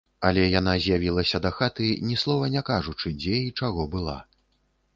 Але яна з'явілася дахаты, ні слова не кажучы, дзе і чаго была.